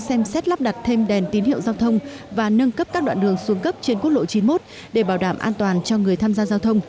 xem xét lắp đặt thêm đèn tín hiệu giao thông và nâng cấp các đoạn đường xuống cấp trên quốc lộ chín mươi một để bảo đảm an toàn cho người tham gia giao thông